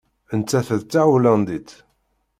Nettat d Tahulandit.